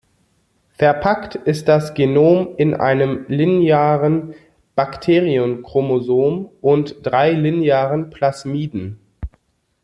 Verpackt ist das Genom in einem linearen Bakterienchromosom und drei linearen Plasmiden.